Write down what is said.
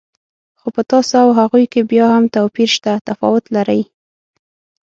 خو په تاسو او هغوی کې بیا هم توپیر شته، تفاوت لرئ.